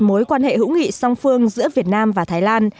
mối quan hệ hữu nghị song phương giữa việt nam và thái lan